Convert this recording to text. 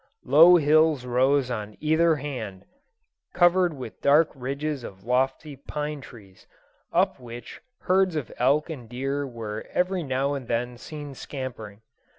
Low hills rose on either hand, covered with dark ridges of lofty pine trees, up which herds of elk and deer were every now and then seen scampering.